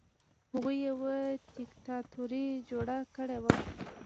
هغوی یوه دیکتاتوري جوړه کړې وه.